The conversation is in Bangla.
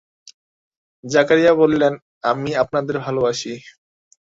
জাকারিয়া বললেন, আমি আপনাদের ভালবাসি।